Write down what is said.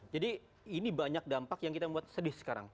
jadi ini banyak dampak yang kita buat sedih sekarang